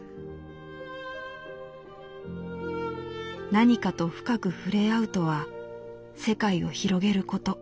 「何かと深く触れ合うとは世界を広げること。